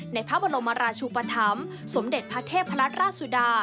ในพระบรมราชุปธรรมสมเด็จพระเทพรัตนราชสุดา